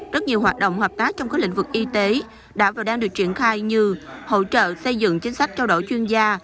rất nhiều hoạt động hợp tác trong các lĩnh vực y tế đã và đang được triển khai như hỗ trợ xây dựng chính sách trao đổi chuyên gia